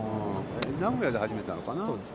名古屋で始めたのかな。